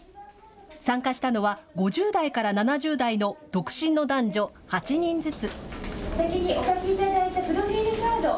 参加したのは５０代から７０代の独身の男女８人ずつ。